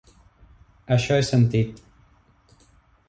Això he sentit.